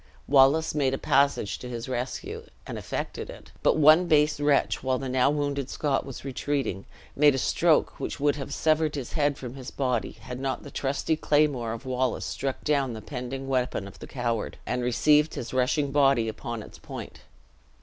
Wallace made a passage to his rescue, and effected it; but one base wretch, while the now wounded Scot was retreating, made a stroke which would have severed his head from his body, had not the trusty claymore of Wallace struck down the pending weapon of the coward, and received his rushing body upon its point.